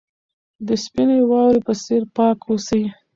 د سپینې واورې په څېر پاک اوسئ.